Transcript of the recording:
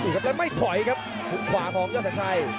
กระโดยสิ้งเล็กนี่ออกกันขาสันเหมือนกันครับ